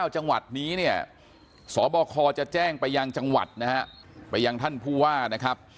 จังหวัดนี้เนี่ยสบคจะแจ้งไปยังจังหวัดนะฮะไปยังท่านผู้ว่านะครับ